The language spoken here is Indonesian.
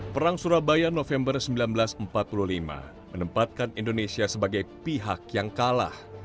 perang surabaya november seribu sembilan ratus empat puluh lima menempatkan indonesia sebagai pihak yang kalah